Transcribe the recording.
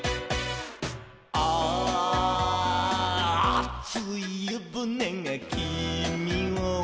「あついゆぶねがきみを」